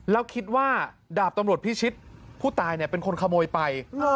แล้วคิดว่าดาบตำรวจพิชิตผู้ตายเป็นคนขโมยไป